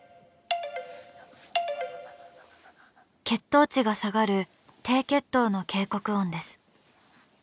血糖値が下がる低血糖の警告音です。